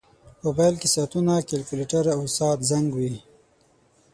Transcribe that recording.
موبایل کې ساعت، کیلکولیټر، او ساعت زنګ وي.